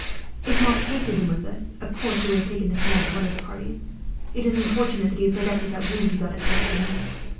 If Montpace had been with us, of course he would have taken the command of one of the parties. It is unfortunate that he is laid up with that wound he got, at Saint Denis."